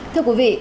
thưa quý vị